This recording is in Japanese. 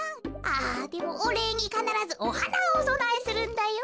あでもおれいにかならずおはなをおそなえするんだよ。